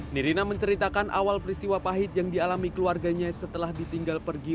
nirina menceritakan awal peristiwa pahit yang dialami keluarganya setelah ditinggal pergi